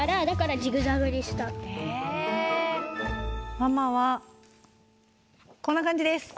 ママはこんなかんじです。